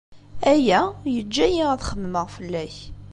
Aya yeǧǧa-iyi ad xemmemeɣ fell-ak.